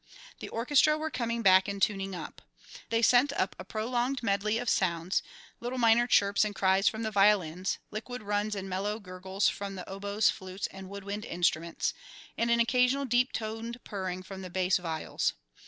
The orchestra were coming back and tuning up. They sent up a prolonged medley of sounds, little minor chirps and cries from the violins, liquid runs and mellow gurgles from the oboes, flutes, and wood wind instruments, and an occasional deep toned purring from the bass viols.